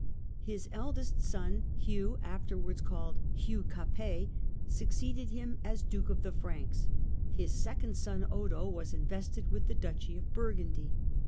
His eldest son Hugh, afterwards called Hugh Capet, succeeded him as duke of the Franks: his second son Odo was invested with the duchy of Burgundy.